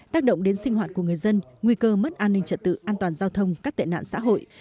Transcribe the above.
tác động đến sinh hoạt của người dân nguy cơ mất an ninh trật tự an toàn giao thông các tệ nạn xã hội